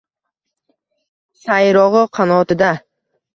sayrogʼi qanotida